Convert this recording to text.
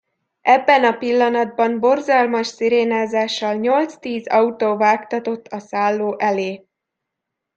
Ebben a pillanatban borzalmas szirénázással nyolc-tíz autó vágtatott a szálló elé.